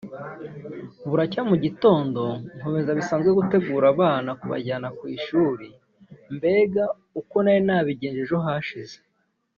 buracya mu gitondo nkomeza bisanzwe gutegura abana kubajyana ku ishuli mbega uko nari nabigenje ejo hashize